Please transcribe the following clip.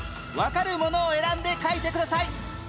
わかるものを選んで書いてください